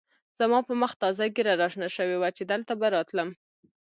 زما په مخ تازه ږېره را شنه شوې وه چې دلته به راتلم.